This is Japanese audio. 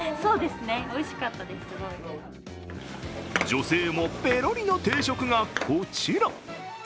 女性もペロリの定食がこちら。